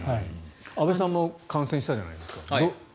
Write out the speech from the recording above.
安部さんも感染したじゃないですか。